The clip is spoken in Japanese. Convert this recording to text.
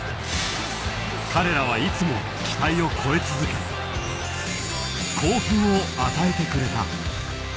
彼らはいつも期待を超え続け興奮を与えてくれた。